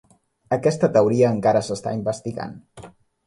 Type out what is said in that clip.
Aquesta teoria encara s'està investigant.